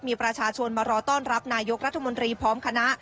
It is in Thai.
มีประชาชนมารอต้อนรับนายกรัฐมนตรีพร้อมคณะ